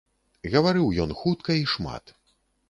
Гаварыў ён хутка і шмат.